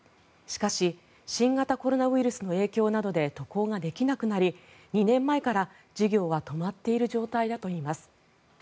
しかし新型コロナウイルスの影響などで渡航ができなくなり２年前から事業は止まっている状態だといいます。